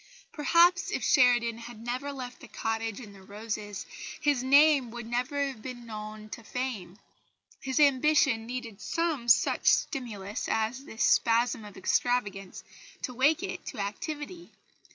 Perhaps if Sheridan had never left the cottage and the roses, his name would never have been known to fame. His ambition needed some such stimulus as this spasm of extravagance to wake it to activity.